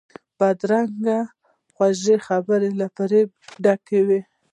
بدرنګه خوږې خبرې له فریب ډکې وي